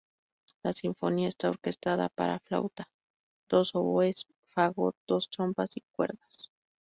La sinfonía está orquestada para flauta, dos oboes, fagot, dos trompas y cuerdas.